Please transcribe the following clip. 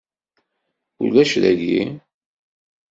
Ulac dagi.